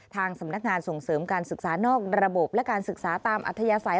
ทางสำนักงานส่งเสริมการศึกษานอกระบบและการศึกษาตามอัธยาศัย